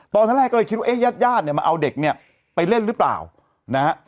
ตอนแรกก็เลยคิดว่าเอ๊ะญาติญาติเนี่ยมาเอาเด็กเนี่ยไปเล่นหรือเปล่านะฮะ